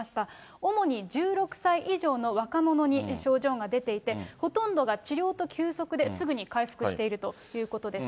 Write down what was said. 主に１６歳以上の若者に症状が出ていて、ほとんどが治療と休息ですぐに回復しているということです。